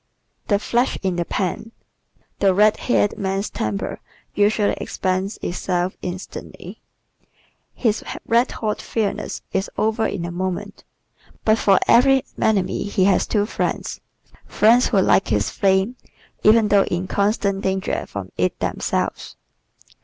The "Flash in the Pan" ¶ The red haired man's temper usually expends itself instantly. His red hot fieriness is over in a moment. But for every enemy he has two friends friends who like his flame, even though in constant danger from it themselves.